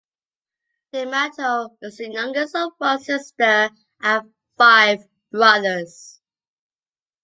DeMato is the youngest of one sister and five brothers.